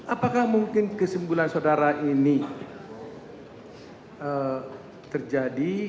apakah mungkin kesimpulan saudara ini terjadi